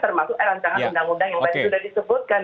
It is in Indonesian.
termasuk rancangan undang undang yang tadi sudah disebutkan